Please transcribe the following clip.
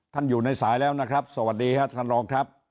อยู่ในสายแล้วนะครับสวัสดีครับท่านรองครับ